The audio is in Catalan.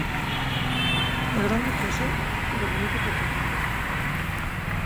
La Gran Duquessa era bonica i popular.